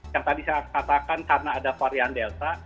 yang tadi saya katakan karena ada varian delta